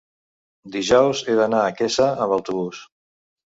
Dijous he d'anar a Quesa amb autobús.